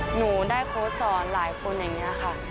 หนูได้โค้ดสอนหลายคนอย่างนี้ค่ะ